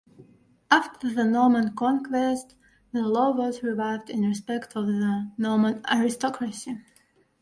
After the Norman conquest the law was revived in respect of the Norman aristocracy.